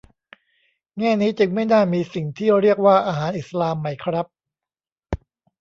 แง่นี้จึงไม่น่ามีสิ่งที่เรียกว่า "อาหารอิสลาม" ไหมครับ